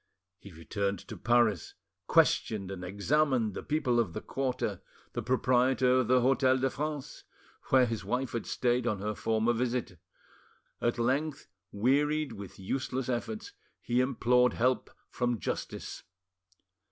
He returned to Paris, questioned and examined the people of the quarter, the proprietor of the Hotel de France, where his wife had stayed on her former visit; at length, wearied with useless efforts, he implored help from justice.